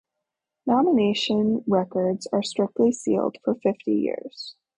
Nomination records are strictly sealed for fifty years.